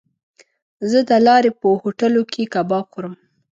زه د لارې په هوټلو کې کباب خورم.